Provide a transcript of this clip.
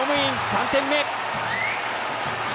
３点目！